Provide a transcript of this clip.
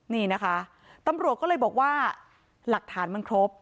นี่นะคะตำรวจก็เลยบอกว่าหลักฐานมันครบ